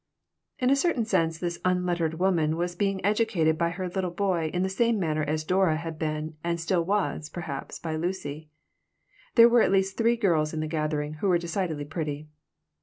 In a certain sense this unlettered woman was being educated by her little boy in the same manner as Dora had been and still was, perhaps, by Lucy There were at least three girls in the gathering who were decidedly pretty.